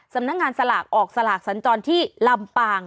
สำนักงานสลากออกสลากสัญจรที่ลำปาง